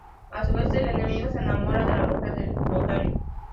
A su vez, el amigo se enamora de la mujer del notario.